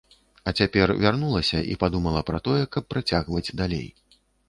А цяпер вярнулася і падумала пра тое, каб працягваць далей.